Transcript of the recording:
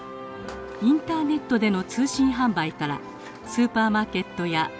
インターネットでの通信販売からスーパーマーケットや道の駅まで。